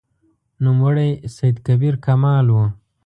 نوموړی سید کبیر کمال و.